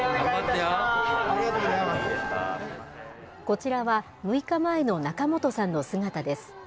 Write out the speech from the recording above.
こちらは、６日前の仲本さんの姿です。